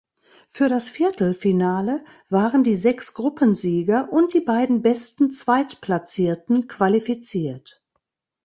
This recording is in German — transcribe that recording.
Für das Viertelfinale waren die sechs Gruppensieger und die beiden besten Zweitplatzierten qualifiziert.